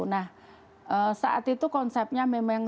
nah saat itu konsepnya memang